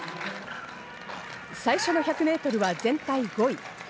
最初の１００メートルは全体５位。